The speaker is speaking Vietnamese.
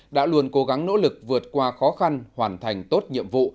đã luôn cố gắng nỗ lực vượt qua khó khăn hoàn thành tốt nhiệm vụ